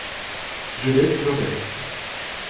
Je l'ai pleuré.